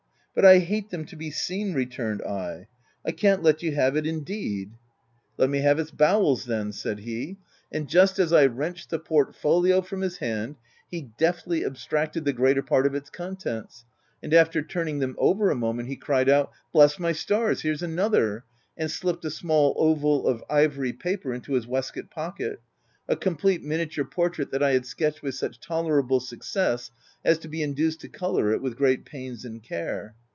" But I hate them to be seen/' returned I. " I can't let you have it, indeed !"" Let me have its bowels then/' said he ; and just as I wrenched the portfolio from his hand, he deftly abstracted the greater part of OF WILDFELL HALL. 337 its contents, and after turning them over a moment, he cried out, —" Bless my stars, here's another !" and slipped a small oval of ivory paper into his waistcoat pocket — a complete miniature portrait, that I had sketched with such tolerable success, as to be induced to colour it with great pains and care.